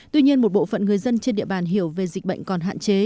tuy nhiên một bộ phận người dân trên địa bàn hiểu về dịch bệnh còn hạn chế